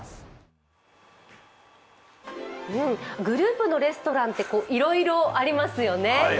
グループのレストランっていろいろありますよね。